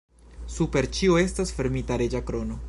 Super ĉio estas fermita reĝa krono.